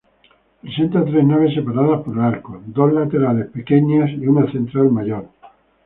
Presenta tres naves separadas por arcos, dos laterales pequeñas y una central mayor.